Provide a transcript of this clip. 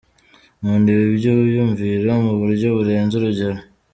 Nkunda ibi byiyumviro mu buryo burenze urugero.